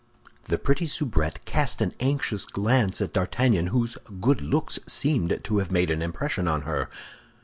The pretty soubrette cast an anxious glance at D'Artagnan, whose good looks seemed to have made an impression on her.